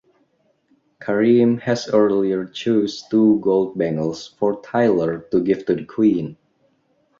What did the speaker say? Karim had earlier chosen two gold bangles for Tyler to give to the Queen.